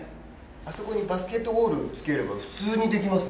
あそこにバスケットゴールつければ、普通にできますね。